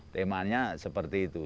temanya seperti itu